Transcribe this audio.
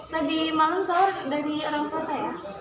tadi malam sahur dari orang tua saya